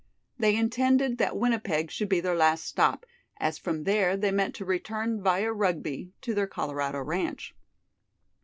They intended that Winnipeg should be their last stop, as from there they meant to return via Rugby to their Colorado ranch.